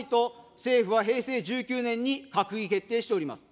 政府は平成１９年に閣議決定しております。